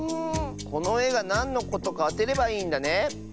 このえがなんのことかあてればいいんだね？